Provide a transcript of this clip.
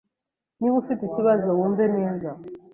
Niba ufite ikibazo, wumve neza.